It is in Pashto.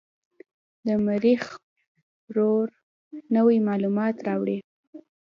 د مریخ روور نوې معلومات راوړي.